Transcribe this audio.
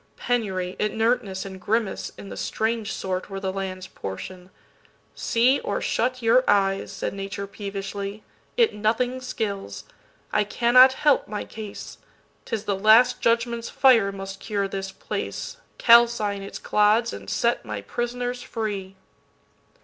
penury, inertness and grimace, In the strange sort, were the land's portion. "SeeOr shut your eyes," said Nature peevishly,"It nothing skills: I cannot help my case:'T is the Last Judgment's fire must cure this place, Calcine its clods and set my prisoners free."